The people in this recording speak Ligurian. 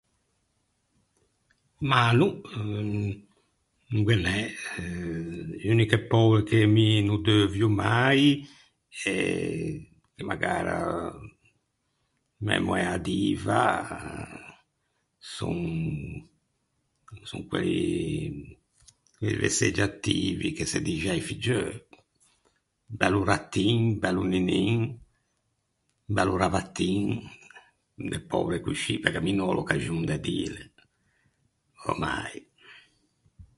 Mah no, no ghe n’é, e uniche poule che mi no deuvio mai, eh, che magara mæ moæ a diva son son quelli vesseggiativi che se dixe a-i figgeu «bello rattin», «bello ninin», «bello ravattin», de poule coscì, perché mi no ò l’occaxon de dîle, mai.